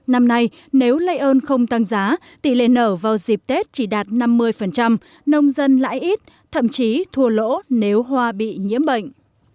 năm nay nếu lây ơn không tăng giá tỷ lệ nở vào dịp tết chỉ đạt năm mươi nông dân lãi ít thậm chí thua lỗ nếu hoa bị nhiễm bệnh